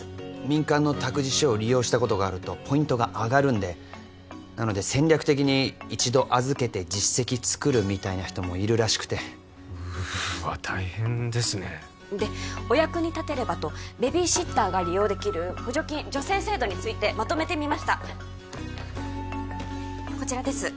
民間の託児所を利用したことがあるとポイントが上がるんでなので戦略的に一度預けて実績つくるみたいな人もいるらしくてうわっ大変ですねでお役に立てればとベビーシッターが利用できる補助金助成制度についてまとめてみましたこちらです